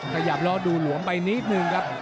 ขยับแล้วดูหลวมไปนิดนึงครับ